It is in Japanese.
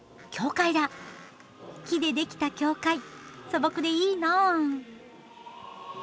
木で出来た教会素朴でいいなあ。